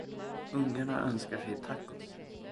Ungarna önskar sig tacos.